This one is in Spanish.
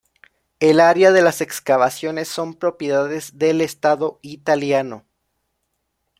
El área de las excavaciones son propiedades del Estado Italiano.